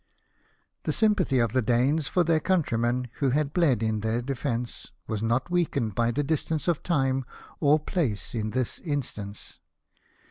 The sympathy of the Danes for their countrymen who had bled in their defence was not weakened by distance of time or place in this instance.